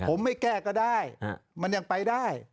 ผมไม่แก้ก็ได้มันยังไปได้